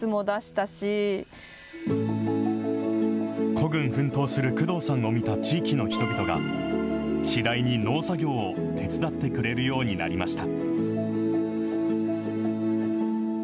孤軍奮闘する工藤さんを見た地域の人々が、次第に農作業を手伝ってくれるようになりました。